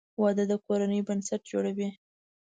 • واده د کورنۍ بنسټ جوړوي.